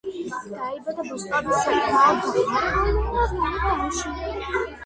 დაიბადა ბოსტონის საკმაოდ ღარიბულ კვარტალში.